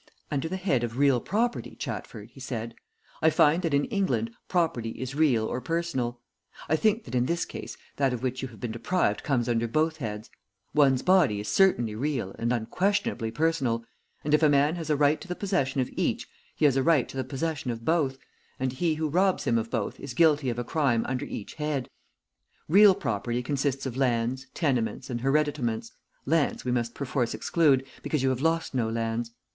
"Now, under the head of real property, Chatford," he said, "I find that in England property is real or personal. I think that in this case, that of which you have been deprived comes under both heads. One's body is certainly real and unquestionably personal, and if a man has a right to the possession of each, he has a right to the possession of both, and he who robs him of both is guilty of a crime under each head. Real property consists of lands, tenements and hereditaments. Lands we must perforce exclude because you have lost no lands.